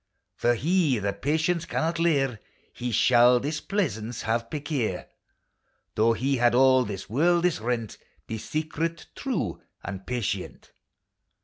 For he that patience can not leir, He shall displeasance have perquier, Though he had all this worldis rent: Be secret, true and patient